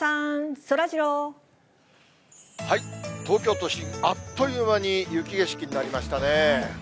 東京都心、あっという間に雪景色になりましたね。